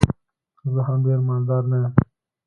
زه هم ډېر مالدار نه یم.